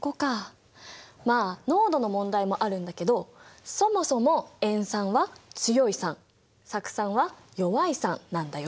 まあ濃度の問題もあるんだけどそもそも塩酸は強い酸酢酸は弱い酸なんだよ。